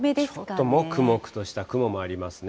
ちょっと、もくもくとした雲もありますね。